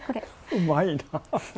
うまいな。